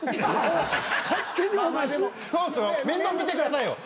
面倒見てくださいよ。